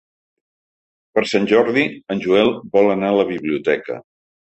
Per Sant Jordi en Joel vol anar a la biblioteca.